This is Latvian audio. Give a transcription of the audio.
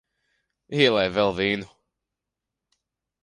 Ielej vēl vīnu.